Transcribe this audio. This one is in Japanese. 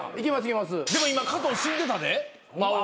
でも今加藤死んでたで。